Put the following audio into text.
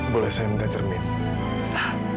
boleh saya ambil cermin